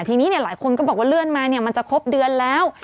ทีนี้หลายคนก็บอกว่าเลื่อนมาเนี่ยมันจะครบเดือนแล้ว